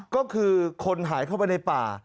ก็คือคนหายเข้าไปในป่า